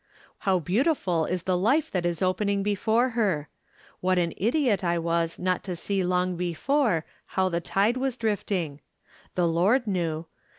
How beautiful is the life tbat is opening before her ! What an idiot I was not to see long before how the tide was drifting ! The Lord knew.